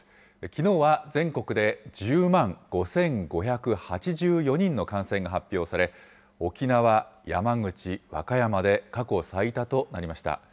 きのうは全国で１０万５５８４人の感染が発表され、沖縄、山口、和歌山で過去最多となりました。